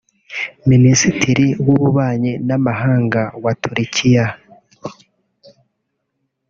Minisitiri w’Ububanyi n’Amahanga wa Turukiya